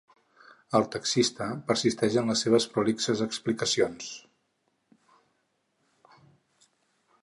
El taxista persisteix en les seves prolixes explicacions.